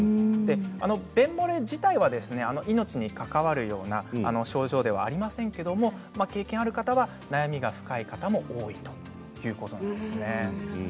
便もれ自体は命に関わるような症状ではありませんけれども経験がある方は悩みが深い方も多いということです。